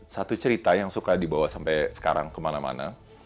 satu cerita yang suka dibawa sampai sekarang kemana mana